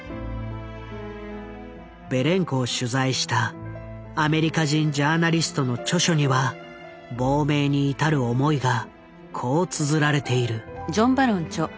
ベレンコを取材したアメリカ人ジャーナリストの著書には亡命に至る思いがこうつづられている。